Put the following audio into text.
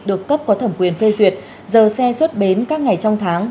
được cấp có thẩm quyền phê duyệt giờ xe xuất bến các ngày trong tháng